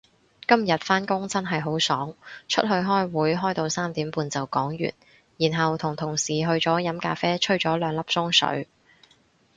今日返工真係好爽，出去開會開到三點半就講完，然後同同事去咗飲咖啡吹咗兩粒鐘水